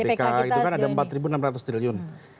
bpk itu kan ada empat enam ratus triliun